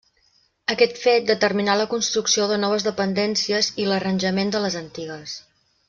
Aquest fet determinà la construcció de noves dependències i l'arranjament de les antigues.